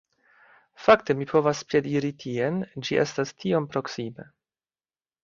Fakte mi povas piediri tien, ĝi estas tiom proksime.